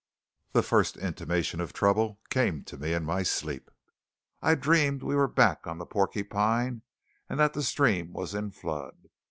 The first intimation of trouble came to me in my sleep. I dreamed we were back on the Porcupine, and that the stream was in flood.